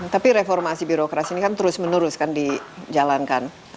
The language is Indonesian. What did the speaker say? tapi reformasi birokrasi ini kan terus menerus kan dijalankan